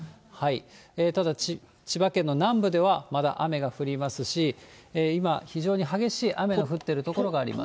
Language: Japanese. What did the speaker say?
ただ、千葉県の南部ではまだ雨が降りますし、今、非常に激しい雨の降ってる所があります。